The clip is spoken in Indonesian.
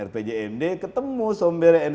rpjmd ketemu sombernya